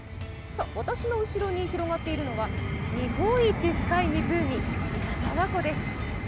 私の後ろに広がっているのは、日本一深い湖、田沢湖です。